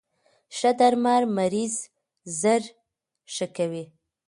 ښه درمل مریض زر ښه کوی.